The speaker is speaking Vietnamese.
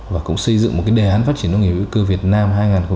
và cũng xây dựng một cái đề hán phát triển nông nghiệp hữu cơ việt nam